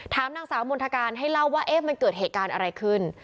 ถามนางสาวมณฑการให้เล่าว่ามันเกิดเหตุการณ์อะไรขึ้น